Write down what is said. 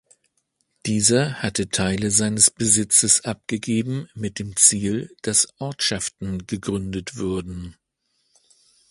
Dieser hatte Teile seines Besitzes abgegeben mit dem Ziel, dass Ortschaften gegründet würden.